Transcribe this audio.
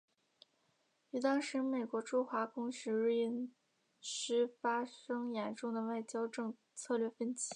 与当时美国驻华公使芮恩施发生严重的外交策略分歧。